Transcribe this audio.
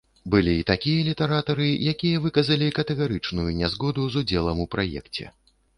Былі і такія літаратары, якія выказалі катэгарычную нязгоду з удзелам у праекце.